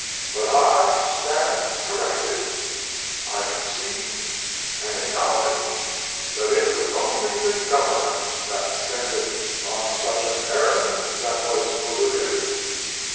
But I stand corrected. I concede and acknowledge that it was only the government that sent it on such an errand that was polluted.